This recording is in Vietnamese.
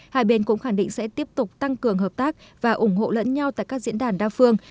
hai bên cũng khẳng định sẽ tiếp tục tăng cường hợp tác và ủng hộ lẫn nhau tại các diễn đàn đa phương